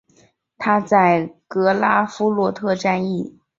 他在格拉夫洛特战役中帮助普军大败法国军队。